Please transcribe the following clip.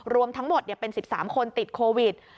รวมทั้งหมดเป็น๑๓คนติดโควิด